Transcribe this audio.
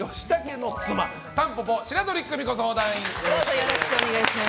よろしくお願いします。